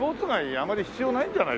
あまり来ないんじゃない？